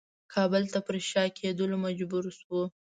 کابل ته پر شا کېدلو مجبور شو.